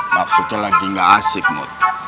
maksudnya lagi gak asik mut